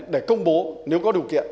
để công bố nếu có điều kiện